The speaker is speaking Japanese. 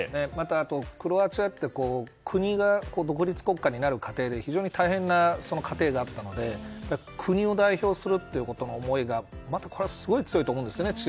あと、クロアチアって国が独立国家になる過程で非常に大変な過程があったので国を代表するということの思いが、チームはまたすごく強いと思うんですね。